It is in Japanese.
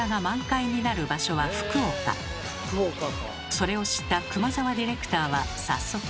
それを知った熊澤ディレクターは早速。